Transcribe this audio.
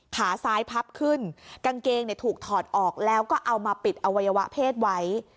ขาซ้ายพับขึ้นกางเกงถูกถอดออกแล้วก็เอามาปิดอวัยวะเพศไว้